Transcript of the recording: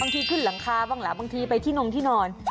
ที่ขึ้นหลังคาบ้างล่ะบางทีไปที่นงที่นอน